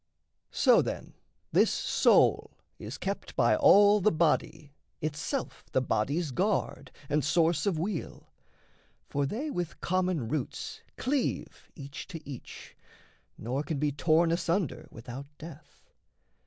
So then this soul is kept by all the body, Itself the body's guard, and source of weal: For they with common roots cleave each to each, Nor can be torn asunder without death.